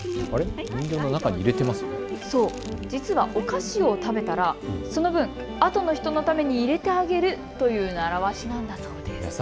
実はお菓子を食べたら、その分あとの人のために入れてあげるという習わしなんだそうです。